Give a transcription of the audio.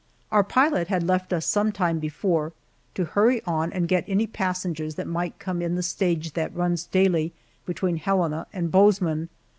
Our pilot had left us some time before, to hurry on and get any passengers that might come in the stage that runs daily between Helena and Bozeman.